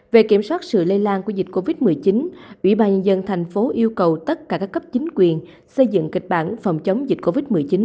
về kiểm soát sự lây lan của dịch covid một mươi chín ubnd tp yêu cầu tất cả các cấp chính quyền xây dựng kịch bản phòng chống dịch covid một mươi chín